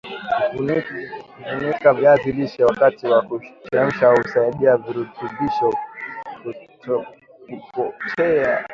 kufunika viazi lishe wakati wa kuchemsha husaidia virutubisho kutokupotea